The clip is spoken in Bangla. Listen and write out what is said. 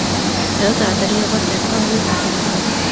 এত তাড়াতাড়ি আবার দেখা হবে ভাবিনি।